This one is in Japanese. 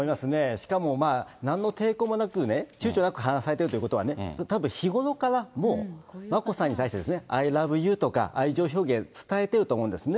しかもまあ、なんの抵抗もなくね、ちゅうちょなく話されてるということは、たぶん、日頃からもう眞子さんに対して、アイ・ラブ・ユーとか、愛情表現、伝えてると思うんですね。